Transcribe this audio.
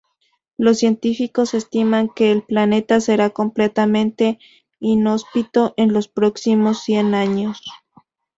Los científicos estiman que el planeta será completamente inhóspito en los próximos cien años.